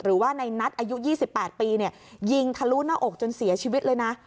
หรือว่าในนัทอายุ๒๘ปียิงทะลุหน้าอกจนเสียชีวิตเลยนะ